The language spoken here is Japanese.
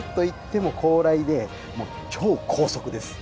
何といっても高麗で、超高速です。